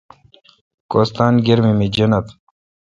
کوستان گرمی می جنت۔